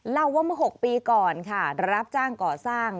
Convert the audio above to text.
เล่าว่าเมื่อ๖ปีก่อนค่ะรับจ้างก่อสร้าง